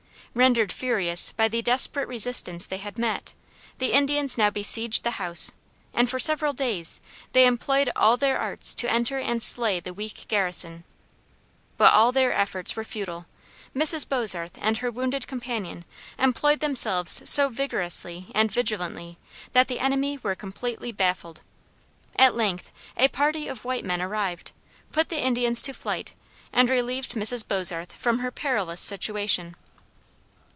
Rendered furious by the desperate resistance they had met, the Indians now besieged the house, and for several days they employed all their arts to enter and slay the weak garrison. But all their efforts were futile. Mrs. Bozarth and her wounded companion employed themselves so vigorously and vigilantly that the enemy were completely baffled. At length a party of white men arrived, put the Indians to flight, and relieved Mrs. Bozarth from her perilous situation.